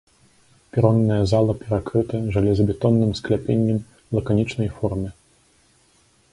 Перонная зала перакрыта жалезабетонным скляпеннем лаканічнай формы.